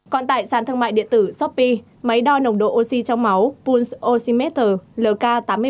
còn tại sàn thương mại điện tử shopee máy đo nồng độ oxy trong máu poolymeter lk tám mươi bảy